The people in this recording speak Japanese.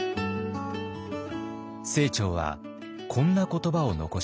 清張はこんな言葉を残しています。